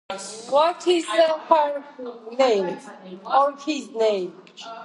ნილოსი არის მსოფლიოში ყველაზე გრძელი მდინარე.